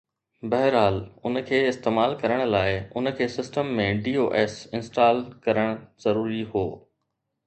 بهرحال، ان کي استعمال ڪرڻ لاء، ان کي سسٽم ۾ DOS انسٽال ڪرڻ ضروري هو